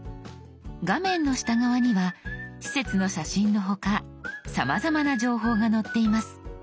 画面の下側には施設の写真の他さまざまな情報が載っています。